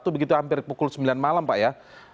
begitu hampir pukul sembilan malam pak ya